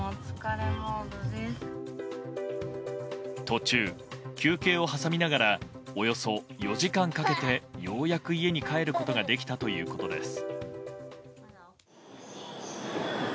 途中、休憩を挟みながらおよそ４時間かけてようやく家に帰ることができたということです。